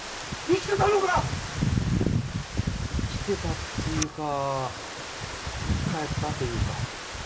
生きてたっていうか生き返ったというか。